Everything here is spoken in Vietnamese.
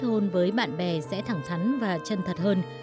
khi kết hôn với bạn bè sẽ thẳng thắn và chân thật hơn